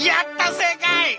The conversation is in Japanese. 正解！